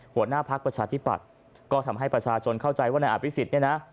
หัวหน้าพักประชาธิปัตย์ก็ทำให้ประชาชนเข้าใจว่านายอภิษฎเนี่ยนะ